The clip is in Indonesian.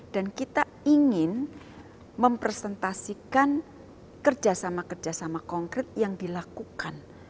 dan kita ingin mempresentasikan kerjasama kerjasama konkret yang dilakukan